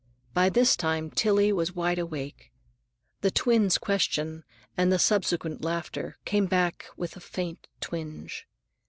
By this time Tillie was wide awake. The twin's question, and the subsequent laughter, came back with a faint twinge.